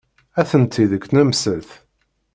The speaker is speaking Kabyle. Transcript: Atenti deg tnemselt.